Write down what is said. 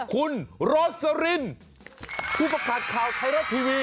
คุณโรสรินผู้ประกาศข่าวไทยรัฐทีวี